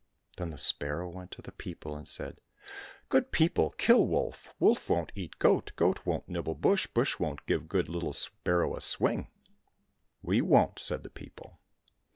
— Then the sparrow went to the people and said, " Good people, kill wolf, wolf won't eat goat, goat won't nibble bush, bush won't give good Httle sparrow a swing." —" We won't !" said the people.